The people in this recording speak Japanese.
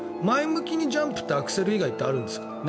前向きにジャンプってアクセル以外あるんですか？